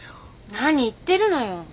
何言ってるのよ。